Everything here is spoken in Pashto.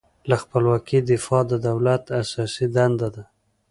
له خپلواکۍ دفاع د دولت اساسي دنده ده.